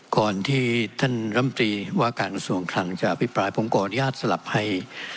ก่อนที่ท่านนิวมภิริว่าการส่วนขลังจะอภิปรายผมขออนุญาตสลับให้